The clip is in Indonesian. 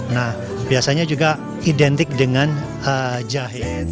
nah biasanya juga identik dengan jahit